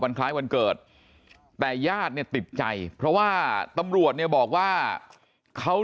คล้ายวันเกิดแต่ญาติเนี่ยติดใจเพราะว่าตำรวจเนี่ยบอกว่าเขา